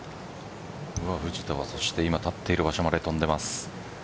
藤田は、そして今立っている場所まで飛んでいます。